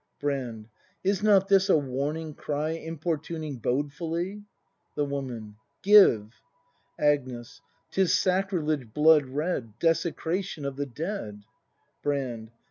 '' Brand. Is not this a warning cry Importuning bodefully ? The Woman. Give! Agnes. 'Tis sacrilege blood red. Desecration of the dead! Brand.